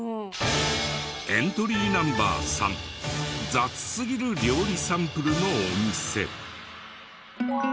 エントリーＮｏ．３雑すぎる料理サンプルのお店。